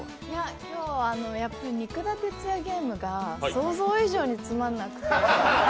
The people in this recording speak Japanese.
今日は肉田鉄矢ゲームが想像以上につまんなくて。